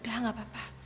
udah gak apa apa